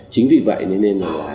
chính vì vậy nên là